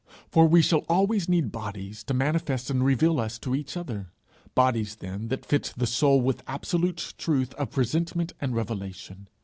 For we shall always need bodies to manifest and reveal us to each other bodies, then, that fit the soul with absolute truth of presentment and revelation.